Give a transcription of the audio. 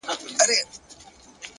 اراده د وېرې دیوالونه ړنګوي